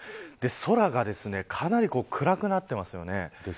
空がかなり暗くなっています。